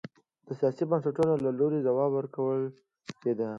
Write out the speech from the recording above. د سیاسي بنسټونو له لوري ځواب ورکول کېده.